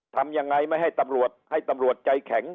ทำยังไงไม่ให้ตำรวจให้ตำรวจใจแข็ง